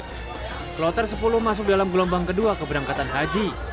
kloter sepuluh masuk dalam gelombang kedua keberangkatan haji